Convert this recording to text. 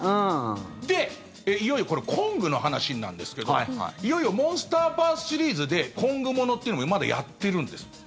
で、いよいよコングの話なんですけどいよいよ「モンスターバース」シリーズでコングものというのはまだやってるんです。